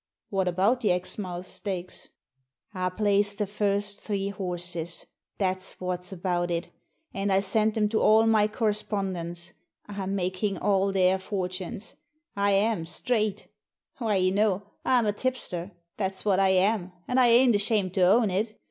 •* What about the Exmouth Stakes ?" Digitized by VjOOQIC THE TIPSTER 127 "I placed the first three horses; that's what's about it, and I sent 'em to all my correspondents — I'm making all their fortunes. I am, straight Why, you know, I'm a tipster; that's what I am, and I ain't ashamed to own it.